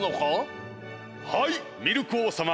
はいミルク王さま。